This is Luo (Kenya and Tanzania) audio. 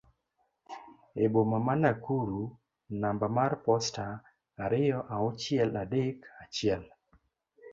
e boma ma Nakuru namba mar posta ariyo auchiel adek achiel